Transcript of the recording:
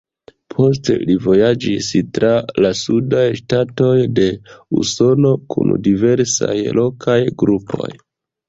Poste li vojaĝis tra la sudaj ŝtatoj de Usono kun diversaj lokaj grupoj.